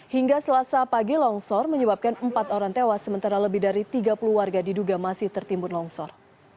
hingga selasa pagi longsor menyebabkan empat orang tewas sementara lebih dari tiga puluh warga diduga masih tertimbun longsor